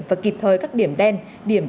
và kịp thời các điểm đen điểm